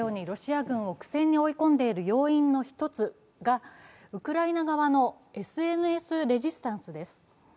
ロシア軍を苦戦に追い込んでいる要因の１つが、ウクライナ側のＳＮＳレジスタンスです。